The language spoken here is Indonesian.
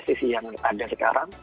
sse yang ada sekarang